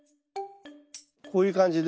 こういう感じで。